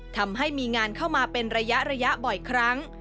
ทำให้มีงานเข้ามาเป็นระยะบ่อยครั้ง